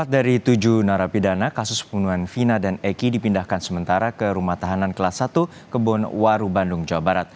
empat dari tujuh narapidana kasus pembunuhan vina dan eki dipindahkan sementara ke rumah tahanan kelas satu kebon waru bandung jawa barat